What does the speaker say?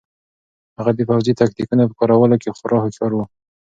هغه د پوځي تکتیکونو په کارولو کې خورا هوښیار و.